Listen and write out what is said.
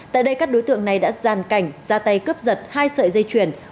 tại đây các đối tượng này đã gian cảnh ra tay cướp giật hai sợi dây chuyển